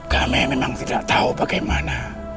kami memang tidak tahu bagaimana